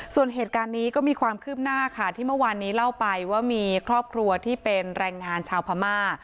ส่วนเหตุการณ์นี้ก็มีความคืบหน้าค่ะที่เมื่อวานนี้เล่าไปว่ามีครอบครัวที่เป็นแรงงานชาวพม่า